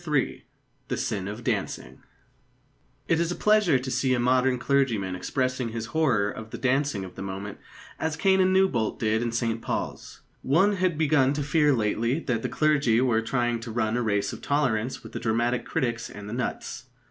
III THE SIN OF DANCING It is a pleasure to see a modern clergyman expressing his horror of the dancing of the moment as Canon Newbolt did in St Paul's. One had begun to fear lately that the clergy were trying to run a race of tolerance with the dramatic critics and the nuts.